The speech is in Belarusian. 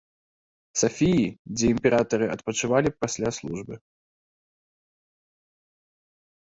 Сафіі, дзе імператары адпачывалі пасля службы.